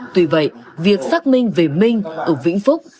tuy vậy việc xác minh về minh ở vĩnh phúc